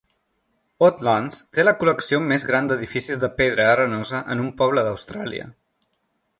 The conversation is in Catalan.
Oatlands té la col·lecció més gran d'edificis de pedra arenosa en un poble d'Austràlia.